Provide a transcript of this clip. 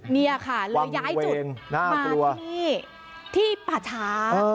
นี่ค่ะเลยย้ายจุดมาที่ป่าช้า